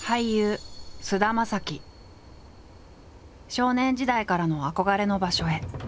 少年時代からの憧れの場所へ。